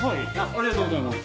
ありがとうございます。